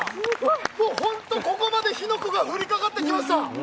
もう、本当、ここまで火の粉が降りかかってきました。